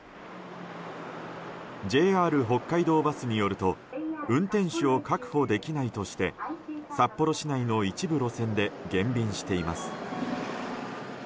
ジェイ・アール北海道バスによると運転手を確保できないとして札幌市内の一部路線で減便しています。